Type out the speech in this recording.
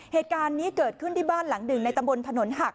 เหตุการณ์นี้เกิดขึ้นที่บ้านหลังหนึ่งในตำบลถนนหัก